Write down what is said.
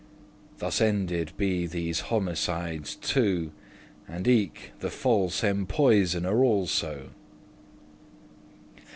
Thus ended be these homicides two, And eke the false empoisoner also.